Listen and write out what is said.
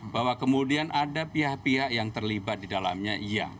bahwa kemudian ada pihak pihak yang terlibat di dalamnya iya